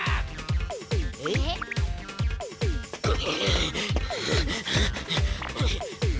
えっ？